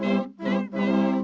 pertama suara dari biasusu